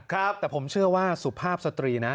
ครับแต่ผมเชื่อว่าสุภาพสตรีนะ